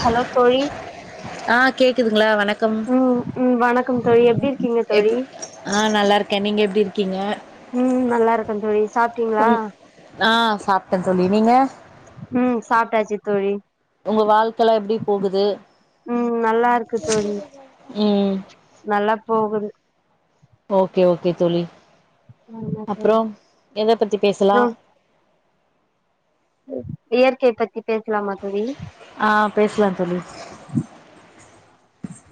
hello தோழி ஆ கேக்குதுங்களா வணக்கம் ம் ம் வணக்கம் தோழி எப்டி இருக்கீங்க எப் தோழி ஆ நல்லா இருக்க நீங்க எப்டி இருக்கீங்க ம் நல்லா இருக்கே தோழி சாப்ட்டீங்களா பொண் ஆ சாப்டந் தோழி நீங்க ம் சாப்டாச்சு தோழி உங்க வாழ்க்கலா எப்டி போகுது ம் நல்லா இருக்கு தோழி ம் ம் நல்லா போகுது ஓகே ஓகே தோழி ஆமா தோழி அப்புறோ எத பத்தி பேசலா இயற்கைய பத்தி பேசலாமா தோழி ஆ பேசலா தோழி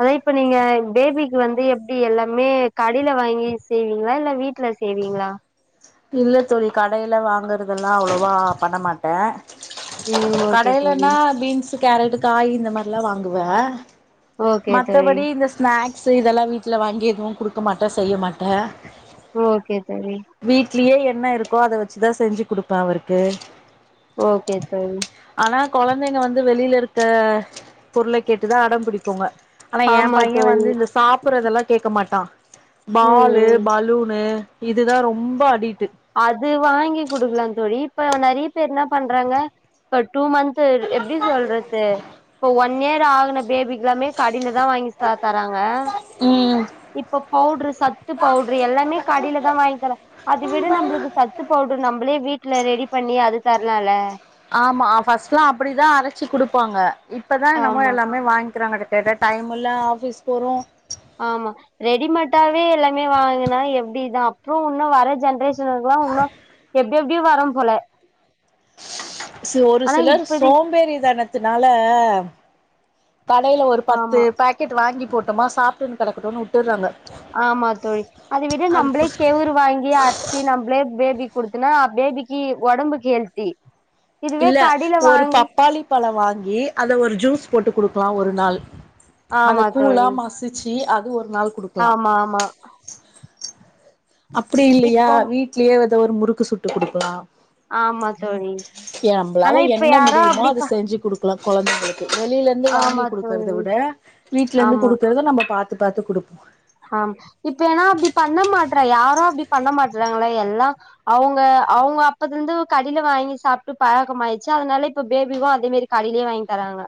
அதா இப்ப நீங்க பேபிக்கு வந்து எப்டி எல்லாமே கடைல வாங்கி செய்வீங்களா இல்ல வீட்லஸ் செய்வீங்களா இல்ல தோழி கடைல வாங்குறதெல்லா அவ்வளோவ் வா பண்ண மாட்ட ம் ஓகே தோழி கடைலனா பீன்ஸ்ஸு கேரட்டு காய் இந்த மாரிலா வாங்குவ ஓகே தோழி மத்தபடி இந்தஸ் ஸ்நேக்ஸு இதெல்லா வீட்ல வாங்கி எதுவும் குடுக்க மாட்ட செய்ய மாட்ட ஓகே தோழி வீட்லயே என்ன இருக்கோ அத வெச்சுதா செஞ்சு குடுப்ப அவருக்கு ஓகே தோழி ஆனா கொழந்தைங்க வந்து வெளில இருக்க பொருளை கேட்டுதா அடம் புடிக்குங்க ஆனா எம் ஆமா பைய தோழி வந்து இந்த சாப்புறதெல்லா கேக்க மாட்டா ம் பாலு ம் பலூனு இதுதா ரொம்ப அடிட்டு அது வாங்கி குடுக்கலாம் தோழி இப்ப நறையா பேர் என்ன பண்றாங்க இப்ப டூ மந்த்து எப்டி சொல்றது இப்போ ஒன் ஒன் இயர் ஆகுன பேபிக் எல்லாமே கடில தா வாங்கி சா தராங்க ம் இப்ப பவுடரு சத்து பவுடரு எல்லாமே கடைல தா வாங்கி தர அது வி ட்டு நம்பளுக்கு சத்து பவுடரு நம்பளே வீட்ல ரெடி பண்ணி அது தர்லால்ல ஆமா ஃபஸ்ட்லா அப்டிதா அரச்சு குடுப்பாங்க இப்பதா நம்மோ ஆமா எல்லாமே வாங்கிறாங்க கட் கேட்டா டைம் இல்ல ஆஃபீஸ் போறோ ஆமா ரெடிமேட்டாவே எல்லாமே வாங்குனா எப்டிதா அப்புறோ உன்னு வர ஜென்ரேஷ் ஷனுக்குல்லா உன்னு எப்டி எப்டியு வரம் போல சோ ஒரு ஆனா சிலர் இப்பதி சோம்பேறி தனத்துனால கடைல ஒரு பத்து ஆமா பேக்கெட்டு வாங்கி போட்டம்மா சாப்டுன்னு கெடக்கட்டுன்னு உட்டுறாங்க ஆமா தோழி அதை விட நம்பளே கேவுரு வாங்கி அர் ச்சு நம்பளே பேபிக் குடுத்தன்னா பேபிக்கி ஒடம்புக் ஹெல்தி இதுவே இல்ல கடில ஒரு வாங்கி பப்பாளி பழோ வாங்கி அத ஒரு ஜூஸ் போட்டு குடுக்கலா ஒரு நாள் அத ஆமா கூலா தோழி மஸ் மசுச்சு அது ஒரு நாள் கு ஆமா ஆமா அப்டி இல்லையா இப்போ வீட்லயே ஏதோ ஒரு முறுக்கு சுட்டு குடுக்கலா ஆமா தோழி எ ஆனா நம்மளால இப்ப என்ன யாரோ முடியுமோ அப்டி அத ப செஞ்சு குடுக் கலா கொழந்தைகளுக்கு வெளியில இருந்து வாங்கி ஆமா கொடுக்கறத தோழி விட வீட்ல இருந்து ஆமா குடுக்கறத நம்ம பாத் த்து பாத்து குடுப்போ ஆமா இப்ப ஏனா அப்டி பண்ண மாட்றா யாரு அப்டி பண்ண மாட்றாங்களே எல்லா அவுங்க அவுங்க அப்பத்துல இருந்து கடையில வாங்கி சாப்டு பழக்கமாயிடுச்சு அதனால இப்ப பேபிக்கு அதே மாரி கடையிலே வாங்கி தராங்க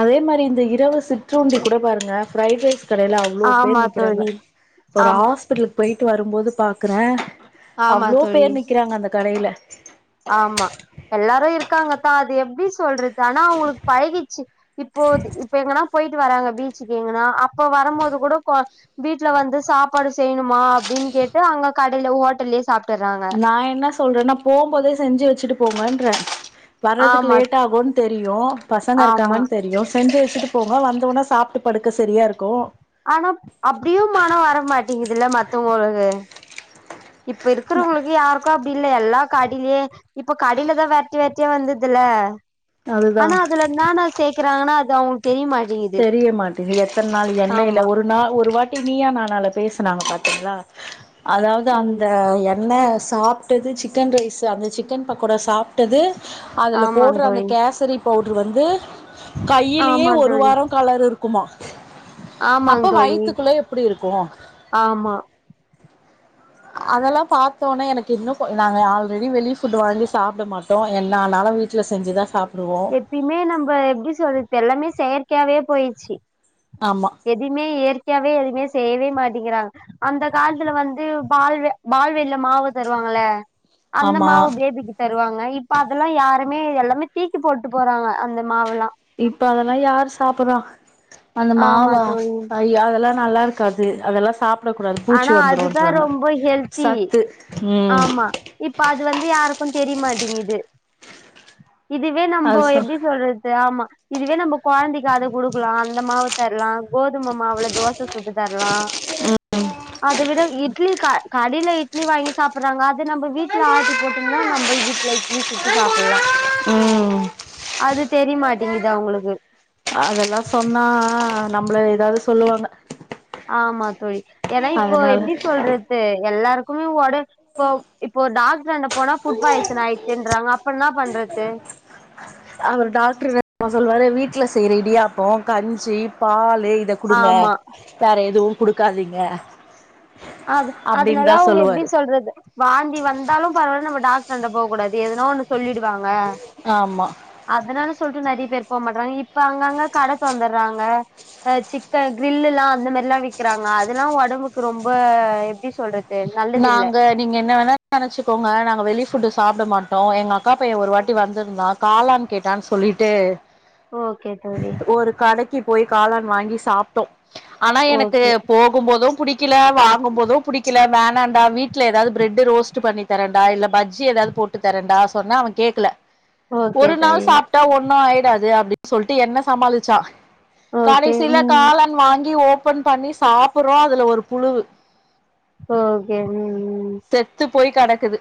அதே மாரி இந்த இரவு சிற்றுருண்டி கூட பாருங்க ஃப்ரைட் ரைஸ் கடையில அவ்ளோ பேர் ஆமா நிக்கிறாங்க தோழி ஒரு ஆமா ஹாஸ்பிட்லுக் கு போயிட்டு வரும்போது பாக்குறே ஆமா அவ்ளோ தோழி பேர் நிக்கிறாங்க அந்த கடையில ஆமா எல்லாரு இருக்காங்க தா அது எப்டி சொல்றது ஆனா அவுங்களுக்கு பழகிச்சு இப்போ இப்ப எங்கனா போயிட்டு வராங்க பீச்சுக்கு எங்கனா அப்போ வரும்போது கூட வீட்ல வந்து சாப்பாடு செய்யணுமா அப்படின்னு கேட்டு அங்க கடையில ஹோட்டல்லயே சாப்புட்டுறாங்க நா என்ன சொல்றேனா போம்போதே செஞ்சு வச்சுட்டு போங்கன்றே வர்றதுக்கு ஆமா லேட் ஆகுன் தெரியு பசங்க ஆமா இருக்காங்கன்னு தெரியு செஞ்சு வச்சிட்டு போங்க வந்தோன சாப்பிட்டு படுக்க செரியா இருக்கு ஆனா அப்டியு மனோ வரமாட்டேங்குதுல்ல மத்தவங்களுக்கு இப்ப இருக்கிறவங்களுக்கு யாருக் கு அப்டி இல்ல எல்லா கடையிலயே இப்ப கடைலதா வெரட்டி வேரட்டியா வந்துருதுல அதுதா ஆனா அதுல என்னான்ன சேக்கறாங்கனா அது அவுங் தெரிய மாட்டேங்குது எத்தன நாள் எண்ணெயில ஆமா ஒரு நா ஒரு வாட்டி நீயா நானால பேசுனாங்க பாத்தீங்ளா அதாவது ம் அந்த எண்ணெ சாப்டது சிக்கன் ரைஸு அந்த சிக்கன் பக்கோடா சாப் டது அதுல ஆமா போடுற அந்த தோழி கேசரி பவுட்ரு வந்து கையிலேயே ஆமா ஒட் தோழி கலர் இருக்குமா ஆமாங் அப்ப தோழி வயித்துக்குள்ள எப்டி இருக்கு ஆமா அதெல்லா பாத்தோனே எனக்கு இன்னு கொ நாங்க ஆல்ரெடி வெளி ஃபுட் வாங்கி சாப்ட மாட்டோ என்ன ஆனாலு வீட் வீட்ல செஞ்சுதா சாப்புடுவோ எப்பயுமே நம்ப எப்டி சொல்றது எல்லாமே செயற்கையாவே போயிடுச்சு ஆமா எதுவுமே இயற்கையாவே எதுவுமே செய்யவே மாட்டேங்கிறாங்க அந்த காலத்துல வந்து பால் பால்வாடில மாவு தருவாங்கல அந்த ஆமா மாவு பேபிக்கு தருவாங்க இப்ப அதெல்லா யாருமே எல்லாமே தீக்கி போட்டு போறாங்க அந்த மாவுல்லா இப்ப அதெல்லா யாரு சாப்புடுவா அந்த ஆமா மாவா தோழி அய்ய அதெல்லா நல்லா இருக்காது அதெல்லா சாப் ட கூடாது பூச்சி ஆனா அதுதா வந்துருன்றாங்க ரொம்ப ஹெல்த்தி சத்து ம் ஆமா இப்ப அது வந்து யாருக்கு தெரியமாட்டீங்குது இதுவே நம்போ அது சொ எப்டி சொல்றது ஆமா இதுவே நம்ம கொழந்தைக்கு அத குடுக்கலா அந்த மாவு தரலா கோதும மாவுல தோச சுட்டு தர்லா அத விட இட்லி க கடையில இட்லி வாங்கி சாப்புட்றாங்க அத நம்ம வீட்ல ஆட்டி போட்டோம்னா நம்ப வீட்ல நீ சுட்டு சாப்புல்லா ம் அது தெரியமாட்டேங்குது அவங்களுக்கு அதெல்லா சொன்னா நம்மள ஏதாவது சொல்லுவாங்க ஆமா தோழி ஏன்னா இப்போ அதனால எப்டி சொல்ற து எல்லாருக்குமே ஒட இப்போ இப்போ டாக்டராண்ட போனா புட் பாய்சன் ஆயிச்சுன்றாங்க அப்பனா என்னா பண்றது அவர் டாக்டர் என்னா தெரிமா சொல்வாரு வீட்ல செய்ற இடியாப்போ கஞ்சி பால்லு இத குடுங்க ஆமா வேற எதுவு குடுக்காதீங்க அது அப்டின்னு தா அதனாலா அவங்க எப்டி சொல்லுவாரு சொல்றது வாந்தி வந்தாலு பரவால்ல டாக்டராண்ட போக கூடாது எதுனோ ஒன்னு சொல்லிடுவாங்க ஆமா அதனாலு சொல்ட்டு நெறைய பேர் போக மாட்டறாங்க இப்ப அங்கங்க கட தொறந்தறாங்க அ சிக்கன் கிரில்லுல்லா அந்த மாரி எல்லா விக்கிறாங்க அதெல்லா ஒடம்புக்கு ரொம்ப எப்டி சொல்றது நல்லதில்ல நாங்க நீங்க என்ன வேணா நெனச்சுக்கோங்க நாங்க வெளி ஃபுட்டு் சாப்பட மாட்டோ எங்கக்கா பைய ஒரு வாட்டி வந்திருந்தா காலான் கேட்டான் சொல்லிட்டு ஓகே தோழி ஒரு கடைக்கு போய் காளான் வாங்கி சாப்ட்டோ ஆனா எனக்கு ஓகே போகும் போது புடிக்கல வாங்கும்போது புடிக்கல வே வேண்டா வீட்ல ஏதாவது பிரெட் ரோஸ்ட் பண்ணி தரண்டா இல்ல பஜ்ஜி ஏதாவது போட்டு தரேண்டா சொன்னா அவ கேக்கல ஓகே ஒரு நாள் தோழி சாப்ட்டா ஒண்ணு ஆயிடாது அப்டின்னு சொல்ட்டு என்ன சமாளிச்சா ஓகே கடைசியில ம் காளான் வாங்கி ஓப்பன் பண்ணி சாப்பறோ அதுல ஒரு புழு ஓகே ம் ம் செத்து போய் கெடக்குது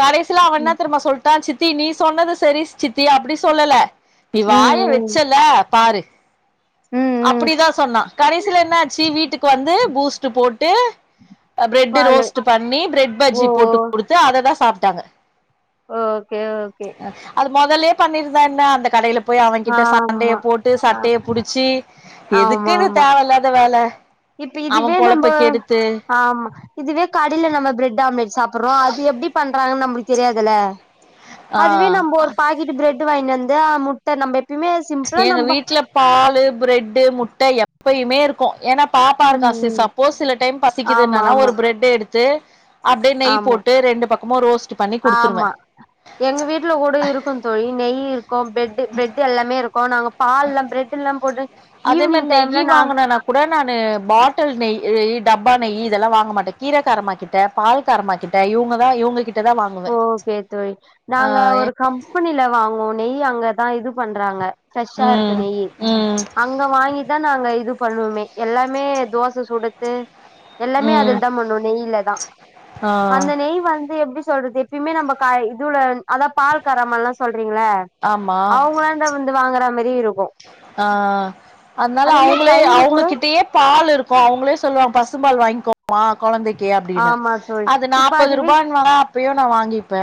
கடைசிலா அவ என்னா ம் தெரிமா சொல் ட்டா சித்தி நீ சொன்னது சரி சித்தி அப்டி சொல்லல நீ ம் வாய ம் வச்சல்ல பாரு ம் ம் ம் அப்டிதா சொன்னா கடைசில என்னாச்சு வீட்டுக்கு வந்து பூஸ்ட்டு போட்டு ஆ ப்ரெட் பாலு ரோஸ்ட்டு பண்ணி ப்ரெட் ஓ பஜ்ஜி போட்டு குடுத்து அததா சாப்ட்டாங்க ஓகே ஓகே அது மொதலே பண்ணிருந்தா என்ன அந்த கடையில போய் அவன்கிட்ட சண்டையை ஆமா போட்டு ஆ சட்டைய புடிச்சு ஆமா எதுக்கு இது ஆமா தேவ இல்லாத வேல இப்ப அவ இதுவே நம்ப பொழப்ப கெடுத்து ஆமா இதுவே கடையில நம்ம பிரெட் ஆம்லேட் சாப்படுறோ அது எப்டி பண்றாங்கன்னு நமளுக்கு தெரியாதுல ஆ அதுவே நம்ம ஒரு பாக்கெட்டு பிரெட் வாங்கி வந்து அ முட்ட நம்ம எப்பயுமே சிம்பிளா எங்க நம்ம வீட்ல பால்லு ப்ரெட்டு் முட்ட எப்பயுமே இருக்கு ஏன்னா பாப்பா ம் இருக்கா சு ம் சப்போஸ் சில டைம் ஆமா பசிக்குதுனா ஆமா ஒரு பிரெட் எடுத்து அப் டியே நெய் ஆமா போட்டு ரெண்டு பக்கமு ரோஸ்ட்டு பண்ணி குடுத்துருவே ஆமா எங்க வீட்ல கூட இருக்கு தோழி நெய் இருக்கு பெட்டு் பெட் எல்லாமே இருக்கு நாங்க பால்ல ப்ரெட் எல்லாம் போட்டு அதே மேரி ஈவினிங் நெய்யு டைம்ல நா வாங்க ணா கூட நா பாட்டில் நெய் டப்பா நெய் இதெல்லா வாங்க மாட்டே கீரைகாரமாக்கிட் ட பால் காரமாகிட்ட இவங்க தா இவங்க கிட் ஓகே தோழி நாங்க ஒரு கம்பெனில வாங்குவோ நெய்யி அங்கதா இது பண்றாங்க பிரெஷ்ஷா இருக்கு ம் நெய்யி ம் அங்க வாங்கிதா நாங்க இது பண்ணுவோமே எல்லாமே தோச சுடறது எல்லாமே ம் அதுல தா பண்ணுவோ நெய்யில தா ஆ அந்த நெய் வந்து எப்டி சொல்றது எப்பயுமே நம்ம கை இது உள்ள அதாவது பால் காரம்மாலா சொல்றீங்கள ஆமா அவங்கள [unintelligible] வந்து வாங்குற மாரி இருக்கு ஆஅ அதனால அதே மாரி அவங்களே தயிரு கூட அவங்ககிட்டயே பால் இருக் கு அவங்களே சொல்லுவாங்க பசும்பால் வாங்கிக்கோமா கொழந்தைக் கு அப்டின்னு ஆமா தோழி அது இப்ப நாப்பது அதுவே ரூபான்னான அப்பயே நா வாங்கிப்பே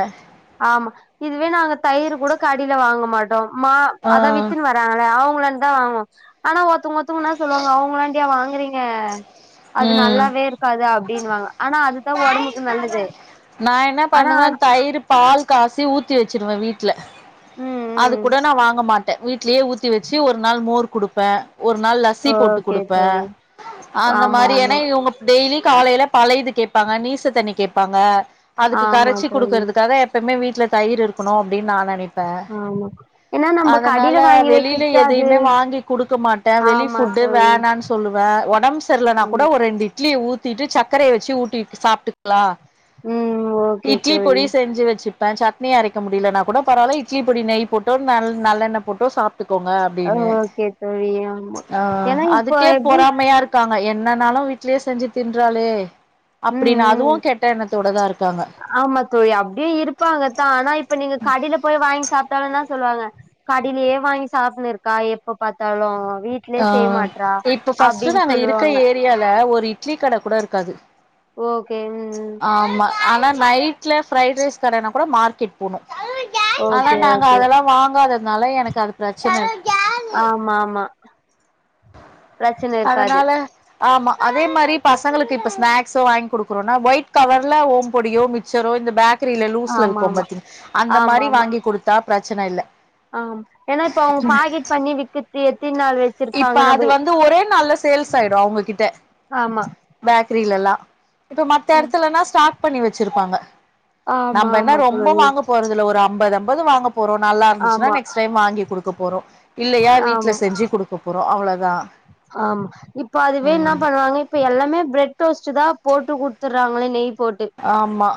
ஆமா இதுவே நாங்க தயிர் கூட கடைல வாங்க மாட்டோ மா ஆ அதா வித்துருவா ங்களே அவங்கள்ண்டதா வாங்குவோ ஆனா ஒருத்தவங்க ஒருத்தங்க என்ன சொல்லுவாங்க அவங்கலாண்டயா வாங்குறீங்க அது ம் நல்லாவே இருக்காது அப்டினுவாங்க ஆனா அதுதா ஒடம்புக்கு நல்லது நா என்ன ஆனா பண்ணுவே அது தயிர் பால் காசி ஊத்தி வச்சிருவே வீட்ல ம் அது ம் கூட நா வாங்க மாட்டே வீட்லே ஊத்தி வச்சு ஒரு நாள் மோர் குடுப்பே ஒரு நாள் ல சி போட்டு ஓகே குடுப்பே தோழி அந்த ஆமா மாரி ஆமா ஏன்னா இவ்ங்க டெய்லி காலேயில பழயிது கேப்பாங்க நீச தண்ணி கேப்பாங்க அதுக்கு ஆமா கரைச்சி தோழி குடுக்கறதுக்காக எப்பையுமே வீட்ல தயிர் இருக்கனு அப்டினு நா நெனைக் ஆமா ஏன்னா நம்ம அதனால கடைல வாங்கி வெளில வைக்கிறது அது எதையுமே வாங்கி குடுக்க மாட்டே வெளி ஆமா ஃபுட்டு தோழி வேணான் சொல்லுவே ஒடம்பு சரியிலனா கூட ஆமா ஒரு ரெண்டு இட்லி ஊத்திட்டு சக்கரய வச்சு ஊட்டிட்டு சாப்ட்டுக்கலா ம் ஓகே இட்லி தோழி பொடி செஞ்சு வச்சுப்பே சட்னி அரைக்க முடியலனா கூட பரவால்ல இட்லி ப்பொடி நெய் போட்டு நல் நல்லெண்ண போட்டு சாப்ட்டுக்கோங்க அப்டின்னு ஓகே தோழி ஆமா ஆ ஏன்னா இப்ப அதுக்கே எப்டி பொறாமையா இருக் க்காங்க என்னனாலு வீட்லே செஞ்சு தின்றாலே ம் அப்டின்னு அதுவு ம் கெட்ட எண்ணத்தோடதா இருக்காங்க ஆமா தோழி அப்டியு இருப்பாங்கதா ஆனா இப்ப நீங்க கடைல போய் வாங்கி சாப்ட்டாலு என்ன சொல்லுவாங்க கடைலேயே வாங்கி சாப்ட்னு இருக்கா எப்ப பாத்தாலு வீட் ஆ இப்ப ஃபஸ்ட்டு நாங்க இருக்ற சொல்லுவாங்க ஏரியால ஒரு இட்லி கட கூட இருக்காது ஓகே ம் ம் ஆமா ஆனா நைட்ல ஃப்ரைட் ரைஸ் கடனா கூட மார்க்கெட் போணு ஆனா ஓகே நாங்க ஓகே அதெல்லா வாங்காததுனால எனக்கு அது பிரச்சன இ ஆமாமா அதனால ஆமா அதே மாரி பசங்களுக்கு இப்ப ஸ்நாக்ஸோ வாங்கி குடுக்குறோனா ஒயிட் கவர்ல ஓம பொடியோ மிச் சரோ இந்த பேக்கரில லூஸ்ல ஆமா விக்கும் ஆமா பாத்தீங் அந்த மாரி வாங்கி குடுத்தா பிரச்சன இல்ல ஆம் ஏனா இப்ப அவங்க பாக்கெட் பண்ணி விக்குத்தி எத்தி நாள் வச் இப்ப அது வந்து ஒரே நாள்ல சேல்ஸ் ஆயிடு அவங்ககிட்ட ஆமா பேக்கரில எல்லா இப்ப மத்த ஆமா எடத்துலனா ஸ்டாக் பண்ணி வச்சிருப்பாங்க ஆமா நம்ப என்ன ஆமா ரொம்ப தோழி வாங்க போறதுல ஒரு அம்பது அம்பது வாங்க போறோ நல்லா இருந்துச்சுன்னா ஆமா நெக்ஸ்ட் டைம் வாங்கி குடுக்க போறோ இல்லையா வீட்ல ஆமா செஞ்சு குடு ஆமா இப்ப அதுவே என்ன ம் பண்ண றாங்க இப்ப எல்லாமே பிரெட் ரோஸ்ட் தா போட்டு குடுத்துறாங்களே நெய் போட்டு ஆமா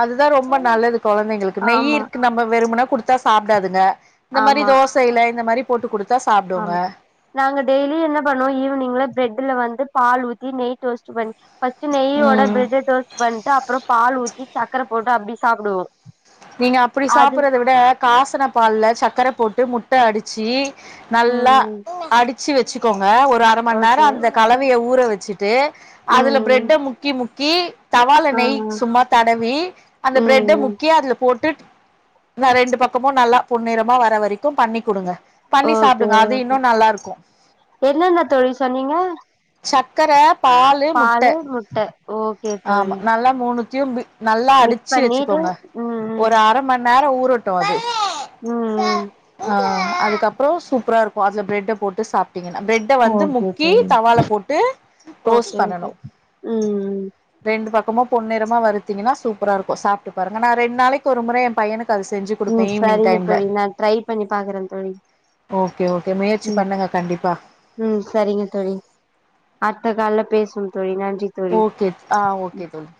அதுதா ரொம்ப நல்லது கொழந்தைங்களுக்கு நெய் ஆமா இருக்கு நம்ம வெறுமனா குடுத்தா சாப்டாதுங்க இந்த மாரி ஆமா தோசைல இந்த மாரி போட்டு குடுத்தா சாப்டுங்க ஆமா நாங்க டெய்லியு என்ன பண்ணுவோ ஈவினிங்ல பிரெட்ல வந்து பால் ஊத்தி நெய் டோஸ்ட் பண்ணி ஃபஸ்ட் நெய்யோட ம் ப்ரெட்ட டோஸ்ட் பண்ட்டு அப்பறோ பால் ஊத்தி சக்கர போட்டு அப்டி சாப்டுவோ நீங்க அப்டி அது சாப்புடுறத விட காசுன பால்ல சக்கர போட்டு முட்ட அடிச்சு நல்லா ம் அடிச்சு வச்சுக்கோங்க ஒரு அர மண் நேரோ ஓகே அந்த கலவைய ஊற வச்சுட் டு அதுல ம் பிரெட்ட முக்கி முக்கி தவால ஆ நெய் சும்மா தடவி அந்த பிரெட்ட ம் முக்கி அதுல போட்டு ரெண்டு பக்கமு நல்லா பொன்னிறமா வர வரைக்கு பண்ணி கூடுங்க பண்ணி ஓகே சாப்பிடுங்க அது இன்னோ ஓகே நல்லா இருக்கு என்னென்ன தோழி சொன்னீங்க சக்கர பாலு முட்ட முட்ட ஓகே ஆமா தோழி நல்லா மூனுத்தியு பீட் நல்லா மிக்ஸ் அடிச்சு பண்ணிட்டு வச்சுக்கோங்க ம் ம் ஒரு அர மண் நேரோ ஊர் ரட்டு அது ம் அ அதுகப்றோ சூப்பரா இருக்கு அதுல பிரெட்ட போட்டு சாப் டிங்கனா பிரெட்ட வந்து ஓகே முக்கி தோழி தவால போட்டு டோஸ்ட் ஓகே ஓகே பண்ணனு ம் ரெண்டு பக்கமு பொன்னிறமா வருத்தீங்கன்னா சூப்பரா இருக்கு சாப்ட்டு பாருங்க நா ரெண்டு நாளிக்கு ஒரு முறை ஏ பையனுக்கு அது செஞ்சு குடுப்பே ம் ஈவினிங் சரிங்க டைம்ல தோழி நா ட்ரை பண்ணி பாக்குறே தோழி ஓகே ஒகே முயற்சி ம் பண்ணுங்க கண்டிப்பா ம் சரிங்க தோழி அடுத்த கால்ல பேசுவோ தோழி நன்றி தோழி ஓகே ஆ ஓகே தோழி